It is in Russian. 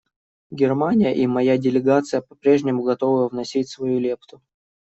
Германия и моя делегация по-прежнему готовы вносить свою лепту.